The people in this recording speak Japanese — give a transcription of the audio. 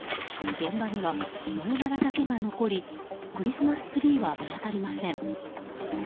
現場には燃えがらだけが残りクリスマスツリーは見当たりません。